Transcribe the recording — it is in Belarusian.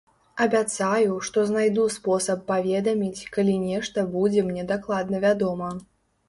Абяцаю, што знайду спосаб паведаміць, калі нешта будзе мне дакладна вядома.